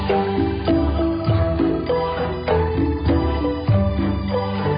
ที่สุดท้ายที่สุดท้ายที่สุดท้าย